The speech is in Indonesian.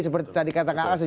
seperti tadi kata kang asyik